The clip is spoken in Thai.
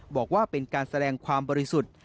บอกว่าเป็นการแสดงความบริสุทธิ์